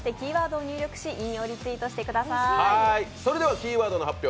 キーワードの発表